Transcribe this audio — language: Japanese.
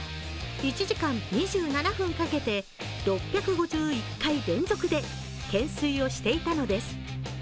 １時間２７分たけて６５１回連続で懸垂をしていたのです。